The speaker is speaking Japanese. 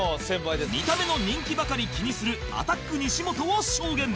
見た目の人気ばかり気にするアタック西本を証言